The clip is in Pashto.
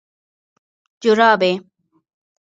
🧦جورابي